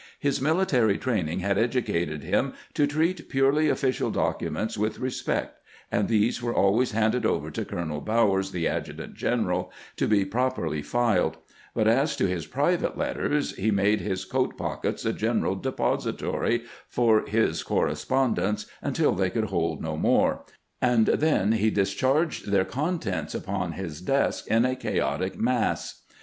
His military training had educated him to treat purely official documents with respect, and these were always handed over to Colonel Bowers, the adjutant general, to be properly filed ; but as to his private letters, he made his coat pockets a general depository for his correspon dence until they could hold no more, and then he dis charged their contents upon his desk in a chaotic ma'ss.